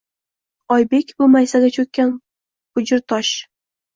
Oybek — bu maysaga cho’kkan bujur tosh